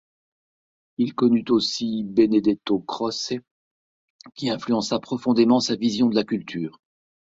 Il connut aussi Benedetto Croce, qui influença profondément sa vision de la culture.